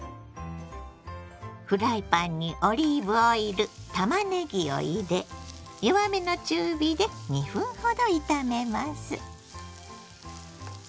フライパンにオリーブオイルたまねぎを入れ弱めの中火で２分ほど炒めます。